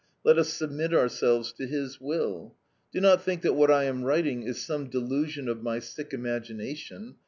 Let us submit ourselves to His will. Do not think that what I am writing is some delusion of my sick imagination.